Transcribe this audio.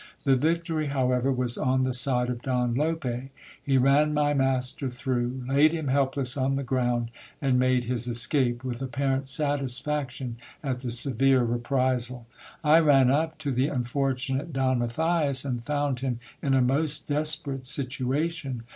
The victory, how ever, was on the side of Don Lope : he ran my master through, laid him help less on the ground, and made his escape, with apparent satisfaction at the severe GIL BLAS VISITS LAURA. 103 reprisal. I ran up to the unfortunate Don Matthias, and found him in a most desperate situation.